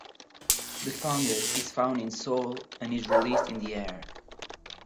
The fungus is found in soil and is released in the air.